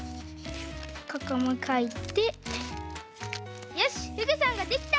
ここもかいてよしフグさんができた！